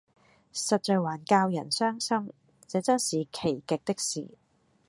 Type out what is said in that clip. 實在還教人傷心，這眞是奇極的事！